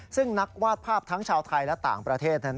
ซึ่งนักวาดภาพทั้งชาวไทยและต่างประเทศนั้น